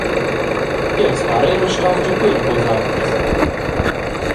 Ti eis para era staus giu Cuera culs auters.